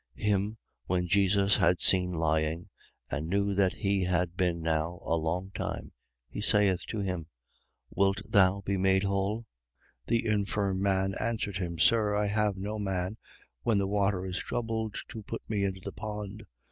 5:6. Him when Jesus had seen lying, and knew that he had been now a long time, he saith to him: Wilt thou be made whole? 5:7. The infirm man answered him: Sir, I have no man, when the water is troubled, to put me into the pond.